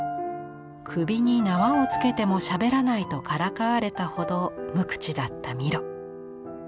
首に縄をつけてもしゃべらないとからかわれたほど無口だったミロ。